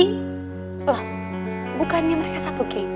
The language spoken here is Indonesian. lah bukannya mereka satu kay